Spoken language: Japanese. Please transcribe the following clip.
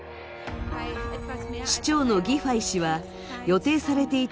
市長のギファイ氏は予定されていた